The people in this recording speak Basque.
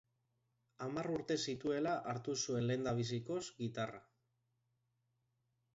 Hamar urte zituela hartu zuen lehendabizikoz gitarra.